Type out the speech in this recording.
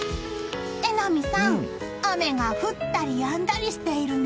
榎並さん、雨が降ったりやんだりしているね。